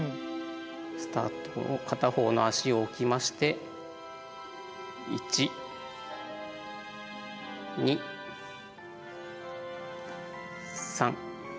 スタート片方の足を置きまして１２３４。